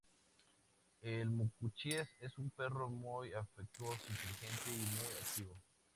El mucuchíes es un perro muy afectuoso, inteligente, y muy activo.